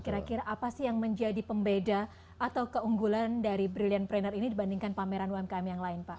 kira kira apa sih yang menjadi pembeda atau keunggulan dari brilliant pranner ini dibandingkan pameran umkm yang lain pak